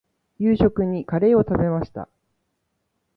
夕食にカレーを食べました。